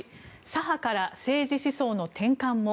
１左派から政治思想の転換も。